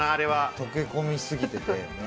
溶け込みすぎてて。